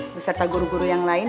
beserta guru guru yang lain